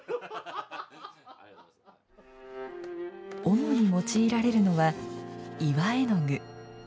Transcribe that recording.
主に用いられるのは岩絵の具。